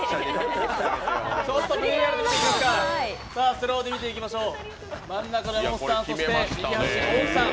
スローで見ていきましょう。